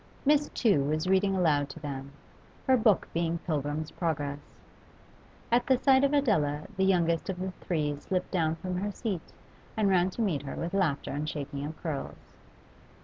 Miss Tew was reading aloud to them, her book being 'Pilgrim's Progress.' At the sight of Adela the youngest of the three slipped down from her seat and ran to meet her with laughter and shaking of curls.